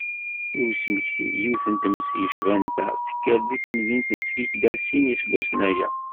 I usmekti, yiwet n tmes yecban ta, tekker deg temdint n Skikda sin n yiseggasen aya.